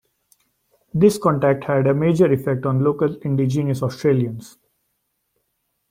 This contact had a major effect on local indigenous Australians.